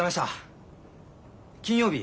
金曜日？